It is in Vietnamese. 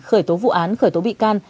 khởi tố vụ án khởi tố bị can